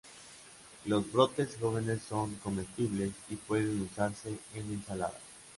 Los brotes jóvenes son comestibles y pueden usarse en ensaladas.